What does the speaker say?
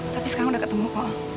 tapi sekarang udah ketemu kok